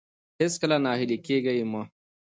هېڅکله ناهيلي کېږئ مه.